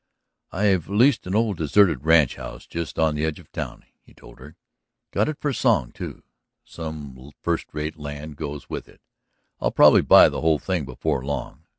"I have leased an old, deserted ranch house just on the edge of town," he told her. "Got it for a song, too. Some first rate land goes with it; I'll probably buy the whole thing before long.